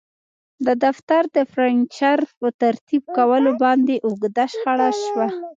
د دفتر د فرنیچر په ترتیب کولو باندې اوږده شخړه شوه